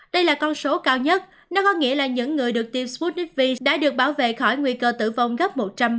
đây là con số cao nhất nó có nghĩa là những người được tiêm sputnik v đã được bảo vệ khỏi nguy cơ tử vong gấp một trăm linh